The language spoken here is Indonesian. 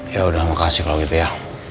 yaudah makasih kalau gitu ya